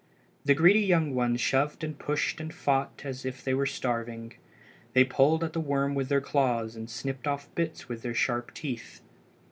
The greedy young ones shoved and pushed and fought as if they were starving. They pulled at the worm with their claws, and snipped off bits with their sharp teeth.